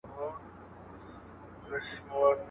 خپل کور اوماچک نه سي کولاى، د بل کره ماچې کوي.